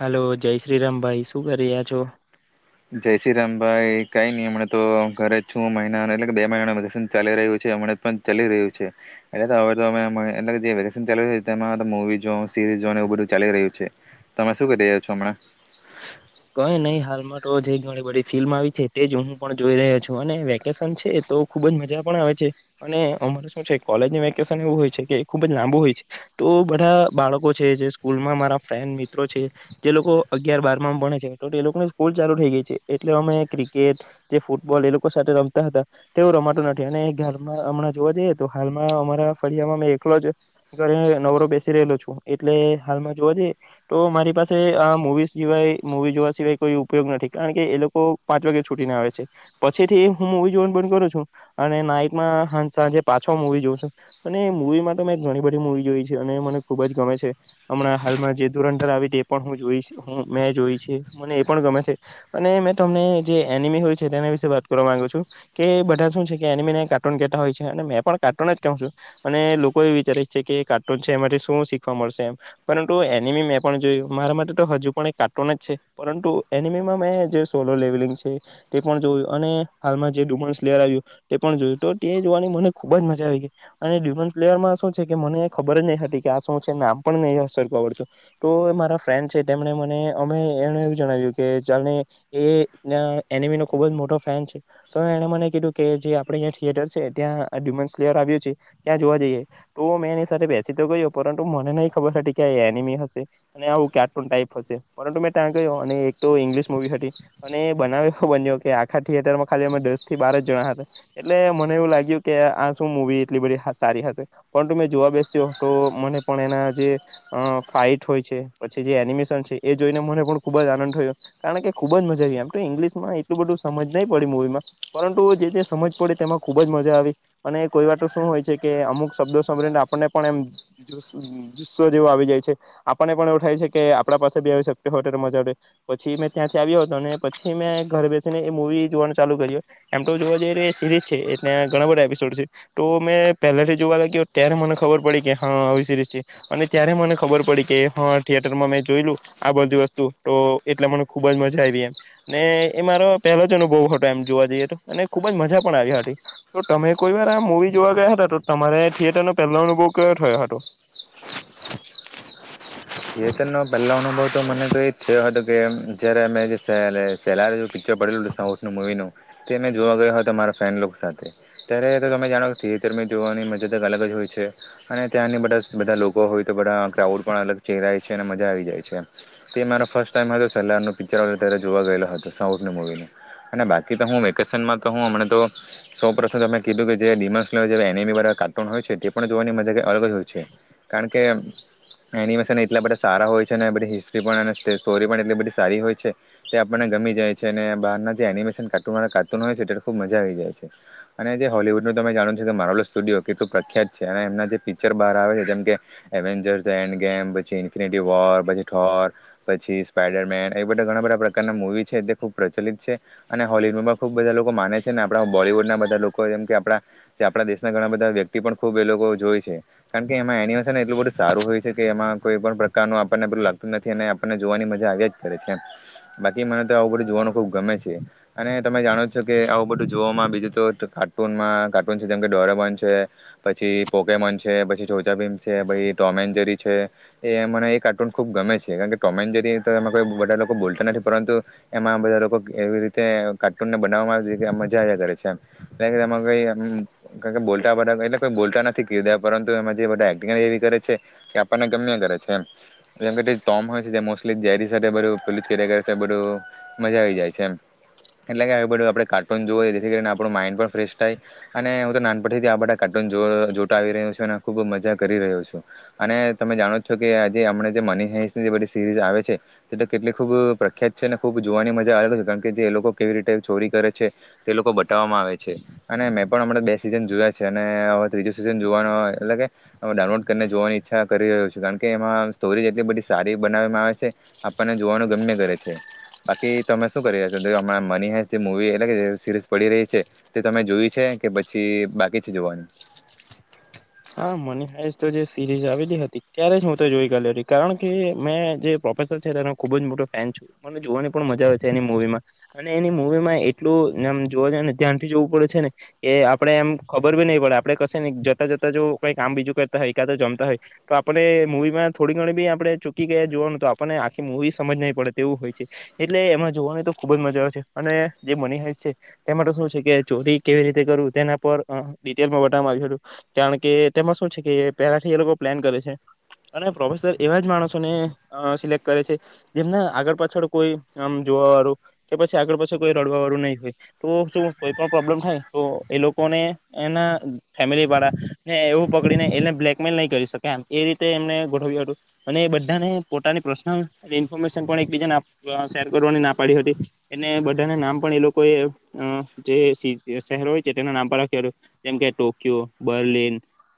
Hello જય શ્રીરામ ભાઈ શું કરી રહ્યા છો. જય શ્રીરામ ભાઈ કઈ નહી હમણા તો ઘરે છ મહિના એટલે બે મહિનાનું વેકેશન ચાલી રહ્યું છે હમણાં ચાલી રહ્યું છે એટ હવે્યુંવી સઝ બધું ચાલી રહ્યું છે તમે શું કરી રહ્યા છોમણાં. કઈ નહી હાલમાં તો જે ઘણી બ ફિલ્મ આવી છે તે જ હું પણ જોઈ રહ્યો છું અને વેકેશન છે તો ખુબ જ મજા પણ આવે છે અને અમારે શું છે કોલેજ વેકેશન એવું હોય છે કે ખુબ જ લાંબુ હોય છે તો બધા બાળકો છે જે સ્કૂલમાં મારા ફ્રેન્ડ મિત્રો છે જે લોકો અગિયાર બાર માં ભણે લોકોની સ્કૂલ ચાલુ થઈ ગઈ છે એટલે અમે ક્રિકેટ જે ફૂટબોલ એ લોકો સાથે રમતા હતા તેવું રમાતું નથી અને ઘરમાં હમણાં જોવા જઈએ તો હાલમાં અમારા ફળિયામાં મે એકલો જ ઘરે નવરો બેસી રહેલો છું એટલે હાલમાં જોવા જઈએ તો મારી પાસે આ મુવી સિવાય. મવી જોવા સિવાય કોઈ ઉપયોગ નથી કારણ કે એ લોકો પાંચ વાગે છૂટીને આવે છે પછીથી હું મવી જોવાન પણ કરું છું અને નાઈટમાં હ સાંજે પાછો મવી જોઉં છું અને મવી માટે મેં ઘણી બધી મુૂવી જોઈ છે અને મને ખૂબ જ ગમે છે હમણાં હાલમાં જે ધૂરંધર આવી તે પણ હું જોઈશ હું મેં જોઈશ. મને એ પણ ગમે છે અને મેં તમને જે એનિમી હોય છે તેના વિશે વાત કરવા માંગુ છું કે બધા શું છે કે એનિમીને કાર્ટૂન કેતા હોય છે અને મેં પણ કાર્ટૂન જ કહઉ છું અને લોકો એ વિચારી છે કે કાર્ટૂન છે એમાંથી શું શીખવા મળશે એમ પરંતુ એનિમી મેં પણ જોયું મારા માટે તો હજુ પણ કાર્ટૂન જ. પરુ એનિમીમાં મેં જે સોલો લેવલિંગ છે તે પણ જોયું અને હાલમાં જે ડુમન્સ પ્લેયર આવ્યું તે પણ જોયું તો તે જોવાની મને ખુબ જ મજા આવી ગઈ અને ડુમન્સ પ્લેયરમાં શું છે કે મને ખબર જ નહી હતી કે આ શું છે નામ પણ નહીં સરર આવડતું તો મારા ફ્રેન્ડ છે તેમણે મને અમે એને એવું જણાવ્યું કે ચાલ ને એ એનિમી નો ખુબ જ મોટો ફેન છે તો એણે મને કીધું કે જે આપણે્યાંયા થિયેટર છે ત્યાં ડ્યુમન્ સ્લેયર આવ્યું છે ત્યાં જોવા જઈએ તો મેં એની સાથે બેસી તો ગયો પરંતુ મને નહી ખબર હતી કે એનિમી હશે અને આવું કાર્ટૂન ટાઈપ હશે. પરુ મેં ત્યાં ગયો અને એક તો ઇંગ્લિશ મુવી હતી અને બનાવ એવ બન્યો કે આખા થિયેટરમાં ખાલી અમે દસ થી બાર જ જણા હતા એટલે મને એવું લાગ્યું કે આ શું મવી એટલી બધી સારી હશે પરંતુ મેં જોવા બેસ્યો તો મને પણ એના જે ફાાઈટ હોય છે પછી જે એનિમેશન છે. એ જોઈને મને પણ ખૂબ જ આનંદ થયો કારણ કે ખૂબ જ મજા આવી એમ તો ઇંગ્લિશમાં એટલું બધું સમજ નહીં પડી મૂવીમાં પરંતુ જે જે સમજ પડીે તેમાં ખુબ જ મજા આવી અને કોઈ વાતો શું હોય છે કે અમુક શબ્દો સાભળને આપણને પણ એમ જુસ્સો જેવો આવી જાય છે આપણને પણ એવો થાય છે કે આપણા પાસે હોમાંડ પછી મેં ત્યાંથી આવ્યો હતો અને પછી મેં ઘરે બેસીને એ મુવી જોવાનું ચાલુ કર્યું એમ તો જોવા જઈએ એ સિરીઝ છે એ ત્યાં ઘણા બધા એપિસોડ છે તો મેં પહેલાથી જોવા લાગ્યો ત્યારે મને ખબર પડી કે હા આવી સિરીઝ છે અને ત્યારે મને ખબર પડી કે હા થિયેટરમાં મેં જોયું. આ બધી વસ્તુ તો એટલે મને ખુબ જ મજા આવી એમ ને એ મારો પહેલો જ અનુભવ હતો એમ જોવા જઈએ તો અને ખુબ જ મજા પણ આવી હતી તો તમે કોઈ વાર આ મવી જોવા ગયા હતા તો તમારે થિયેટર નો પહેલો અનુભવ કયો થયો હતો. બહુ તો મને તો એ જ થયો હતો કે જ્યારે અમે જે સે સેલરે જે પિક્ચર પડેલું હતું સાઉથનું મૂવીનું તે મેં જોવા ગયો હતો મારા ફેનલો સાથે ત્યારે તો તમે જાણો કે થિયેટરમાં જોવાની મજદ એક અલગ જ હોય છે અને ત્યાંની બધા બધા લોકો હોય. બધું પણ અલગ ય છે અને મજા આવી જાય છે. તે મારો ફર્સ્ટ ટમ હતો સ ન પિક્ચર જોવા ગયેલો હતો સાઉથવી ન અને બાકી તો હું વેકેશનમાં તોમ તો સૌ પ્રથમ કીધું કે જે એમી વાળા કાર્ટૂન હોય છે તે પણ જોવાની મજ અલગ જ હોય છે કારણ કે એટલા બધા સારા હોય છે અને બધી હિસ્ટ્રી પણ અને સ્ટોરી પણ એટલી બધી સારી હોય છે તે આપણને ગમી જાય છે અને બહારના જે એનિમેશન કાર્ટુ વાળ કાર્ટૂન હોય છે તે ખુબ મજા આવી જાય છે અને જે હોલિવુડનું તમે જાણો છ કે મારોલો સ્ટુડિયો કેટલું પ્રખ્યાત છે અને એમના જે પિક્ચર બહાર આવે છે જેમ કે એવેન્જર્ એન્ડ ગેમ. પછી ઇન્ફિનિટરી વોર પછી ઠોર પછી સ્પાઈડર મેન એ બધા ઘણા બધા પ્રકારના મુવી છે. તે ખૂબ પ્રચલિત છે અને હોલવુડમાં ખુબ બધા લોકો માને છે ને આપણા બોલીવુડ ના બધા લોકો જેમ કે આપણા આપણા દેશના ઘણા બધા વ્યક્તિ પણ ખુબ એ લોકો જોય છે કારણ કે એમાં એનિમેશન એટલું બધું સારું હોય છે કે એમાં કોઈ પણ પ્રકારનું આપણને બલું લાગતું નથી અને આપણને જોવાની મજા આવી જ કરે છે બાકી મને તો આવું બધું જોવાનું ખૂબ ગમે છે અને તમે જાણો છો કે આવું બધું જોવામાં બીજું તો કાર્ટૂનમાં કાર્ટૂન છે જેમ કે ડોરેબોન છે પછી પોકેમોન છે પછી ચોચા ભીમ છે પછી ટોમ એન્જરી છે. એ મને એ કાર્ટૂન ખુબ ગમે છે કારણ કે ટોમેન જેરી એમાં કો બધા લોકો બોલતા નથી પરંતુ એમાં બધા લોકો એવી રીતે કાર્ટૂનને બનાવવામાં મજા કરે છેમ એમાંઈ બોલતા બધા એટ કોઈ બોલતા નથી કા પરંતુ એમાં જે બધા એક્ટિંગ એવી કરે છે કે આપણને ગમને કરે છે. જેમમ હોય છેલીરી સાથેલ બ મજા આવી જાય છે એટલે કે બધું આપ કાર્ટૂન જો જેથી કરીને આપણું માઇન્ડ પણ ફ્રેશ થાય અને હું તો નાનપટથી આ બધા કાર્ટૂન જો આવી રહ્યો છું અને ખુબ મજા કરી રહ્યો છું અને તમે જાણો છ કે આજે આપમણે જે મની હેઇસની જે બધી સિરીઝ આવે છે તે તો કેટલી ખૂબ પ્રખ્યાત છે અને ખૂબ જોવાની મજા અલગ છે કારણ કે જે એ લોકો કેવી રીતે ચોરી કરે છે તે લોકો બતાવવામાં આવે છે અને મેં પણ આપણાં બે સિઝન જોયા છે અને હવે ત્રીજો સિઝન જોવાનો એટલે કે ડાઉનલોડ કરીને જોવાની ઈચ્છા કરી રહ્યો છે. કારણ કે એમાં સ્ટોરી જેટલી બી સારી બનાવવામાં આવે છે આપણને જોવાનું ગમે કરે છે બાકી તમે શું કરી રહ્યા છો મની હ મુવી એટલે કે સિરીઝ પડી રહી છે તે તમે જોય છે કે પછી બાકી છે જોવાનું હા મની હાઈ તો જે સિરીઝ આવેલી હતી ત્યારે જ હું તો જોઈ ગલી રહી કારણ કે મેં જે પ્રોફેસર છેનો ખુબ જ મોટો ફેન છું મને જોવાની પણ મજા આવે છે એની મવીમાં અને એની મુવીમાં એટલું આમ જોવા જને ધ્યાનથી જોવું પડે છે ને કે આપડે એમ ખબર બી નહી પડે આપડે કશે ને જતા જતા જો કઈ કામ બીજું કરતા હોય કા તો જમતા હોય તો આપણે મૂવીમાં થોડી ઘણી બી આપણે ચૂકી ગયા જોવાનું તો આપણને આખી મુવી સમજ નહીં પડે તેવું હોય છે એટલે એમમાં જોવાની તો ખુબ જ મજા આવે છે અને જે મની હસ છે તેમાં તો શું છે કે ચોરી કેવી રીતે કરું તેના પર ડિટેલમાં બટવામાં આવ હતું. કારણ કે તેમાં શું છે કે પહેલાથી એ લોકો પ્લાન કરે છે અને પ્રોફેસર એવા જ માણસોને સિલેક્ટ કરે છે જેમને આગળ પાછળ કોઈ આમ જોવા વાળું કે પછી આગળ પાછળ કોઈ રડવા વાળું નહીં હોય તો શું કોઈ પણ પ્રોબ્લેમ થાય તો એ લોકોને એના ફેમિલી વાળા ને એવું પકડીને એને બ્લેકમેલ નહી કરી શક એમ એ રીતે એમને ગોઠવ્યું હતું અને બધાને પોતાની પર્સનલ ઇન્ફોર્મેશન પણ એકબીજા શેર કરવાની ના પાડી હતી એને બધાને નામ પણ એ લોકોએ જે શહેરો હોય છે તેના નામ પણ રાખ્યું હતું જેમ કે ટોકયો બર્લિન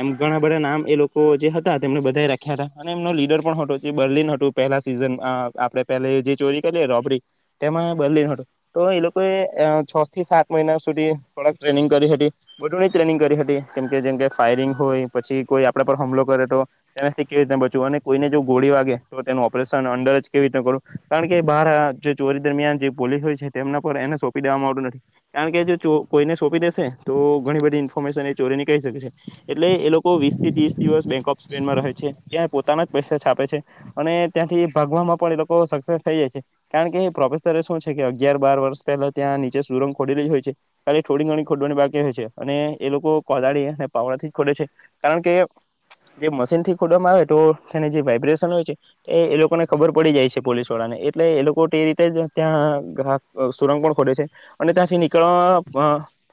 એમ ઘણા બધા નામ એ લોકો જે હતા તેમને બધા રાખ્યા હતા અને એમનો લીડર પણ હતો જે બર્લિન હતું પહેલા સીઝન આપણે પહે જે ચોરી કરી રોબરી તેમાં બલન હતું તો એ લોકોએ છ થી સાત મહિના સુધી થોક ટ્રેનિંગ કરી હતી બની ટ્રેનિંગ કરી હતી. કેમ કે જેમ કે ફાયરિંગ હોય પછી કોઈ આપડા પર હુમલો કરે તો તેનાથી કેવી રીના બચવું અને કોઈને જો ગોળી વાગે તો તેનું ઓપરેશન અંડર જ કેવી રીતના કરું કારણ કે બહાર જે ચોરી દરમિયાન જે પોલીસ હોય છે તેમના પર એને સોંપી દેવામાં આવતું નથી કારણ કે જો કોઈને સોંપી દેશે તો ઘણી બધી ઇન્ફોર્મેશન ચોરીનીકે એટલે એ લોકો વીસ થી ત્રીસ દિવસ બેક ઓફ સ્પેનમાં રહે છે ત્યાં પોતાના પૈસા છાપે છે અને ત્યાંથી ભાગવામાં પણ એ લોકો સક્સેસ થઈ જાય છે કારણ કે પ્રોફેસરે શું છે કે અગિયાર બાર વર્ષ પહેલા ત્યાં નીચે સુરંગ ખોડી લ હોય છે ખાલી થોડી ઘણી ખોડવાની બાકી હોય છે અને એ લોકો. કોદાળી અને પાવડાથી જ ખોડે છે કારણ કે જે મશીનથી ખોડવામાં આવે તો તેને જે વાઇબ્રેશન હોય છે એ એ લોકોને ખબર પડી જાય છે પોલીસ વાળાને એટલે એ લોકો તે રીતે જ ત્યાં ગાહક સુરંગ પણ ખોડે છે અને ત્યાંથી નીકળવા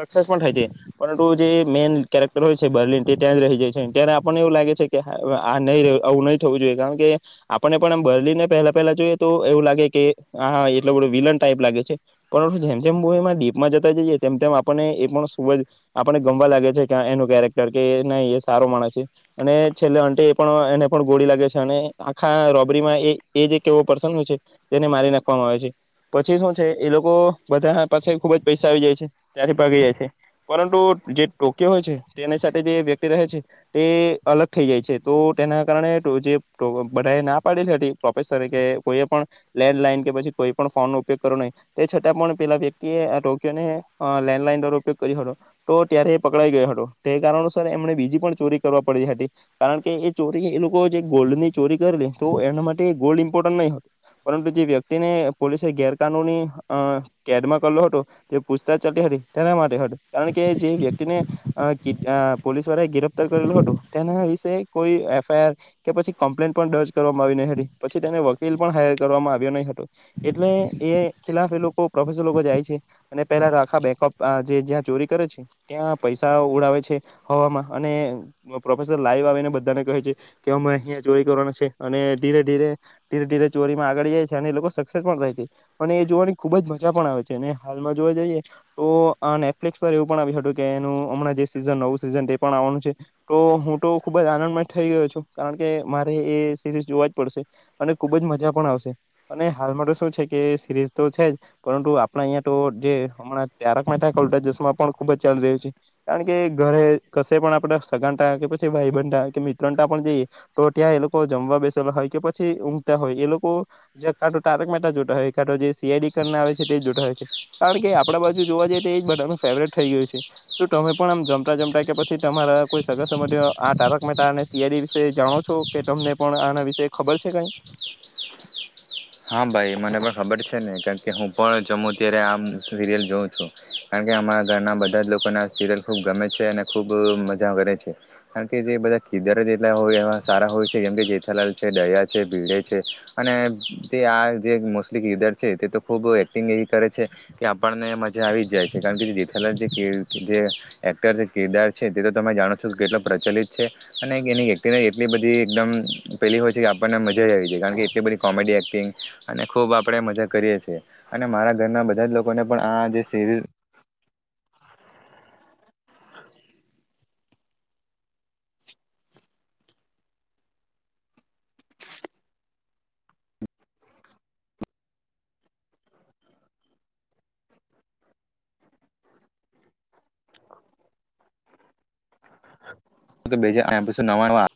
સક્સેસ પણ થાય છે પરંતુ જે મેન કેક્ટર હોય છે બર્લન રહી જાય છે આપણને એવું લાગે છે આ નહી આવું નહીં થવું જોઈએ કારણ કે આપણેને પણ એમ બર્લિનને પહેલા પહેલા જોઈએ તો એવું લાગે કે આ એટલો બધો વિલન ટાઈપ લાગે છે પણ જેમ જેમ મવીમાં ડીપમાં જતા જઈએ તેમ તેમ આપણને એ પણ ખૂબ જ આપ. ગમવા લ છે કે એનું કેરેક્ટર કે નહી એ સારો માણસ છે અને છેલ્લે અટેે એ પણ એને પણ ગોળી લાગે છે અને આખા રોબરીમાં એ એ જે એક કેવો પર્સન છે તેને મારી નાખવામાં આવે છે પછી શું છે એ લોકો બધા પાસે ખુબ જ પૈસા આવી જાય છે ત્યારે ભગી જાય છે પરંતુ જે ટોકયો હોય છે તેની સાથે જે વ્યક્તિ રહે છે તે અલગ થઈ જાય છે તો તેના કારણે જે બધા ના પાડેલી હતી પ્રોફેસરે કે કોઈ પણ લેન્ડલાઈન કે પછી કોઈ પણ ફોનનોો ઉપયોગ કરો નહી તે છતાં પણ પેલા વ્યક્તિએ આ ટોકયોને લેન્ડલાઈન દ ઉપયોગ કર્યો હતો. તો ત્યારે એ પકડાઈ ગયો હતો તે કારણોસર એમને બીજી પણ ચોરી કરવા પડીતી હતી કારણ કે એ ચોરી એ લોકો જે ગોલ્ડની ચોરી કરી લ તો એના માટે ગોલ્ડ ઇમ્પોર્ટન્ટ નહીં હતું પરંતુ જે વ્યક્તિને પોલીસે ગેરકાનૂની અ કેદમાં કર્યો હતો તે પૂછતાછ ચા હતી તેના માટે ચ. વ્યક્તિને પોલીસ વાળાએ ગિરફતાર કરેલુ હતુ તેના વિશે કોઈ એફઆઈઆર કે પછી કમ્પ્લેન પણ દર્જ કરવામાં આવી નહી હતી પછી તેને વકીલ પણ હાયર કરવામાં આવ્યો નહી હતો એટલે એ ખિલાફ એ લોકો પ્રોફસર લોકો જાય છે અને પેલા આખા બેકપ જે્યાં ચોરી કરે છે ત્યાં પૈસા ઉડાવે છે હવામાં અને પ્રોફેસર લાઈવ આવીને બધાને કહે છે કે અમે અહીં ચોરી કરવાના છે અને ધીરે ધીરે ધીરે ધીરે ચોરીમાં આગળ જાય છે અને એ લોકો સક્સેસ પણ થાય છે અને એ જોવાની ખુબ જ મજા પણ આવે છે અને હાલમાં જોવા જઈએ તો આ નેટફ્લિકસ પર એવું પણ આવ્યું હતું કે એનું હમણાં જે સીઝન નવું સિઝન તે પણ આવવાનું છે તો હું તો ખુબ જ આનંદ થઈ ગયો છું કારણ કે મારે એ સિરીઝ જોવા જ પડશે અને ખુબ જ મજા પણ આવશે અને હાલ મા તો શું છે કે સિરીઝ તો છે જ પરંતુ આપણા અહીંયા તો જે હમણાં તારક મહેતા કા ઉલ્ટા ચશ્મા પણ ખુબ જ ચાલી રહ્યું છે કારણ કે ઘરે કશે પણ આપણે સગા ની ત્યા કે પછી ભાઈ બધ કે મિત્ર પણ જયે ત્યા એ લોકો જમવા બેસેલા હોય કે પછી ઊંઘતા હોય એ લોકો જે કા તારક માટેતા જોતા હોય જે સીઆઈડી કરીને આવે છે જોતા હોય છે કારણ કે આપણા બાજુ જોવા જઈએ તો એજ બધાનું ફેવરેટ થઈ ગયું છે શું તમે પણ આમ જમતા જમતા કે પછી તમારા કોઈ સગા સબંધીઓ આ તારક મહેતા અને સીઆઈડી વિશે જાણો છો કે તમને પણ આના વિશે ખબર છે કઈ હા ભાઈ મને પણ ખબર છે ને કારણ કે હું પણ જમું અત્યારે આમ સિરિયલ જોઉં છું કારણ કે અમારા ઘરના બધા જ લોકોને આ સિરિયલ ખૂબ ગમે છે અને ખૂબ મજા કરે છે કારણ કે જે બધા કીદાર જેટલા હોય એવા સારા હોય છે જેમ કે જેઠાલાલ છે ડયા છે ભીળે છે અને તે આ જે મોસ્ટલી કિદરછે તે તો ખૂબ એક્ટિંગ એવી કરે છે કે આપણને મજા આવી જ જાય છે કારણ કે દીઠેલા જે ક એક્ટર છે કેદાર છે તે તો તમે જાણો છો કે કેટલો પ્રચલિત છે અને એની એક્ટિંગ એટલી બધી એકદમ પેલી હોય છે કે આપણને મજા જઈ આવી છે કારણ કે એટલીધી કોમેડડી એક્ટ અને ખૂબ આપણે મજા કરીએ છીએ અને મારા ઘરના બધા જ લોકોને પણ આ જે સિરીઝ તો બેજ અહીયા પછી નવાનવા